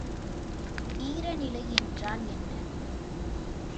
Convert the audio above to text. ஈரநிலை என்றால் என்ன?